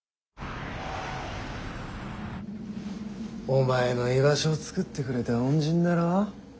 お前の居場所を作ってくれた恩人だろ。